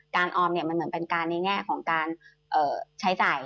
ออมเนี่ยมันเหมือนเป็นการในแง่ของการใช้จ่าย